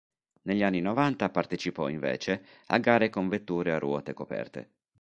Negli anni novanta partecipò, invece, a gare con vetture a ruote coperte.